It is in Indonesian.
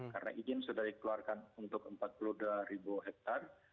karena izin sudah dikeluarkan untuk empat puluh dua ribu hektare